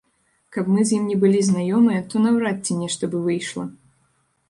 Каб мы з ім не былі знаёмыя, то наўрад ці нешта бы выйшла.